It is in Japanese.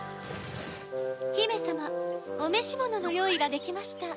ひめさまおめしもののよういができました。